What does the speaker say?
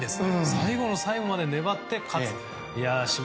最後の最後まで粘って勝つ。